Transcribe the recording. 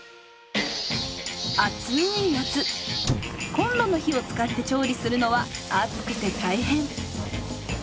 コンロの火を使って調理するのは暑くて大変。